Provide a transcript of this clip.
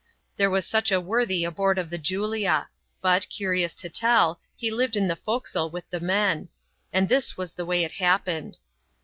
There was such a worthy aboard of the Julia ; but, curious to tell, he lived in the forecastle with the men. And this was the way it happened.